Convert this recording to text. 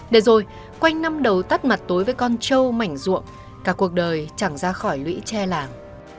để rồi quanh năm đầu tắt mặt tối với con trâu mảnh ruộng cả cuộc đời chẳng ra khỏi lũy tre làng